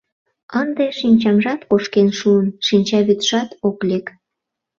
Ынде шинчамжат кошкен шуын, шинчавӱдшат ок лек.